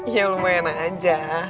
ya lumayan aja